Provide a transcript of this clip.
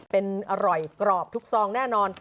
เป็นอร่อยกรอบทุกซองแน่นอน